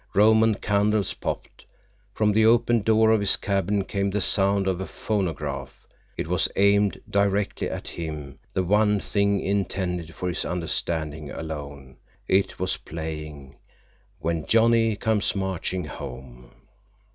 Roman candles popped. From the open door of his cabin came the sound of a phonograph. It was aimed directly at him, the one thing intended for his understanding alone. It was playing "When Johnny Comes Marching Home."